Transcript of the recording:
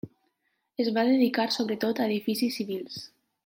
Es va dedicar sobretot a edificis civils.